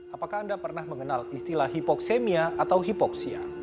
apakah anda pernah mengenal istilah hipoksemia atau hipoksia